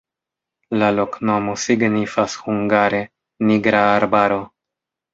La loknomo signifas hungare: nigra-arbaro.